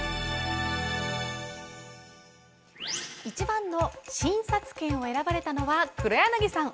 １番の診察券を選ばれたのは黒柳さん